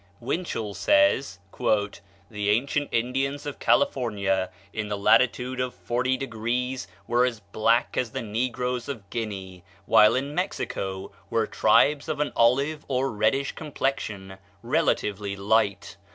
Winchell says: "The ancient Indians of California, in the latitude of forty two degrees, were as black as the negroes of Guinea, while in Mexico were tribes of an olive or reddish complexion, relatively light.